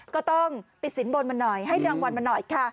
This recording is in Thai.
ก็ต้องติดสินบนมาหน่อยให้รางวัลมาหน่อยค่ะ